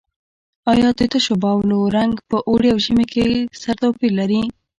آیا د تشو بولو رنګ په اوړي او ژمي کې سره توپیر لري؟